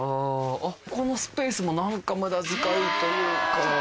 このスペースも何か無駄遣いというか。